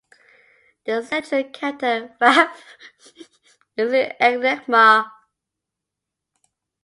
The central character, Raf, is an enigma.